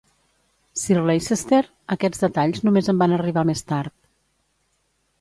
Sir Leicester, aquests detalls només em van arribar més tard.